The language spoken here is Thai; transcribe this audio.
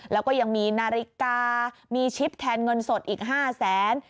แล้วก็ยังมีนาฬิกามีชิปแทนเงินสดอีก๕แสน